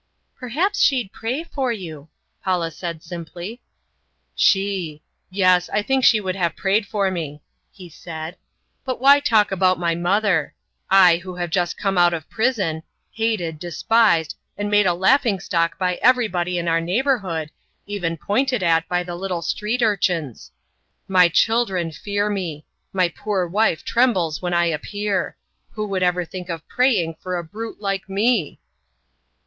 "Perhaps she'd pray for you," Paula said simply. "She! Yes, I think she would have prayed for me," he said. "But why talk about my mother! I, who have just come out of prison; hated, despised, and made a laughingstock by everybody in our neighborhood, even pointed at by the little street urchins! My children fear me! My poor wife trembles when I appear! Who would ever think of praying for a brute like me?"